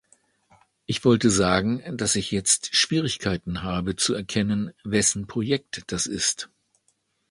Ich wollte sagen, dass ich jetzt Schwierigkeiten habe zu erkennen, wessen Projekt das ist.